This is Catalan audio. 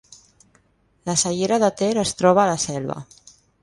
La Cellera de Ter es troba a la Selva